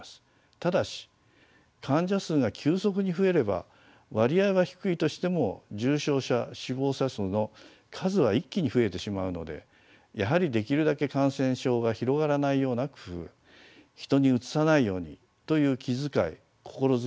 ただし患者数が急速に増えれば割合は低いとしても重症者死亡者数の数は一気に増えてしまうのでやはりできるだけ感染症が広がらないような工夫人にうつさないようにという気遣い心遣いはとても大切です。